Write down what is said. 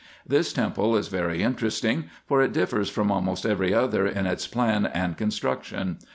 This temple is very interesting, for it differs from almost every other in its plan and construction.